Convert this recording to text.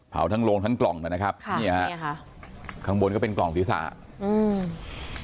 ทั้งโรงทั้งกล่องนะครับค่ะเนี่ยฮะเนี้ยค่ะข้างบนก็เป็นกล่องศีรษะอืม